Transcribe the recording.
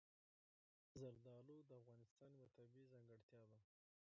زردالو د افغانستان یوه طبیعي ځانګړتیا ده.